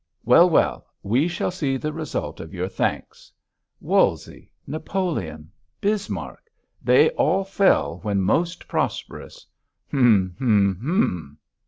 Well! well! we shall see the result of your thanks. Wolsey! Napoleon! Bismarck! they all fell when most prosperous. Hum! hum!